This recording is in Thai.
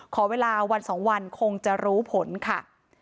ขอเวลาวัน๒วันคงจะรู้ผลค่ะ